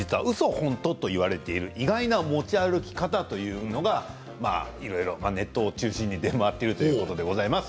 ホント？といわれている意外な持ち歩き方というのがいろいろネットを中心に出回っているということでございます。